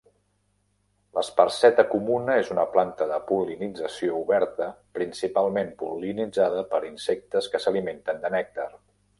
L'esparceta comuna és una planta de pol·linització oberta, principalment pol·linitzada per insectes que s'alimenten de nèctar.